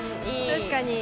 確かに。